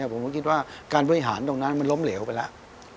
ผมคิดว่าการแบ่งตัวนี้ล้มเหลวไปแหละ